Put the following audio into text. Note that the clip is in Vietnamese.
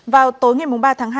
vào tối ngày ba tháng hai